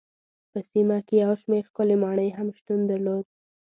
په سیمه کې یو شمېر ښکلې ماڼۍ هم شتون درلود.